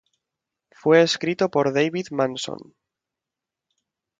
Fue escrito por David Manson.